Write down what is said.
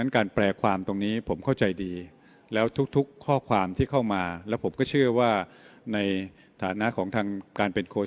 การแปรความตรงนี้ผมเข้าใจดีแล้วทุกข้อความที่เข้ามาผมก็เชื่อว่าในฐานะของการเป็นโครของสคเราก็จะรับฟังทุกเรื่อง